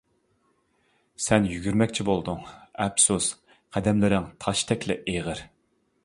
سەن يۈگۈرمەكچى بولدۇڭ، ئەپسۇس قەدەملىرىڭ تاشتەكلا ئېغىر.